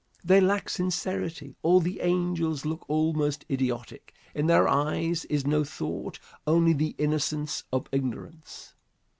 They lack sincerity. All the angels look almost idiotic. In their eyes is no thought, only the innocence of ignorance.